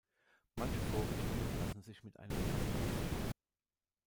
Manche Vorrichtungen lassen sich mit einem Taster öffnen.